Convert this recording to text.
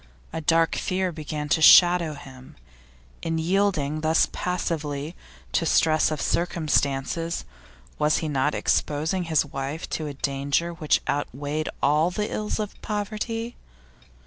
A dark fear began to shadow him. In yielding thus passively to stress of circumstances, was he not exposing his wife to a danger which outweighed all the ills of poverty?